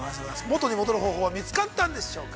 元に戻る方法は見つかったんでしょうか。